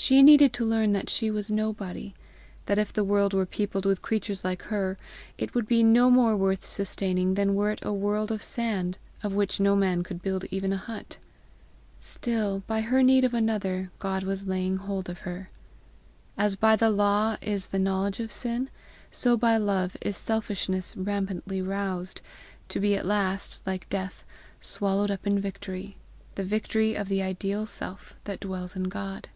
She needed to learn that she was nobody that if the world were peopled with creatures like her, it would be no more worth sustaining than were it a world of sand, of which no man could build even a hut. Still, by her need of another, God was laying hold of her. As by the law is the knowledge of sin, so by love is selfishness rampantly roused to be at last, like death, swallowed up in victory the victory of the ideal self that dwells in God.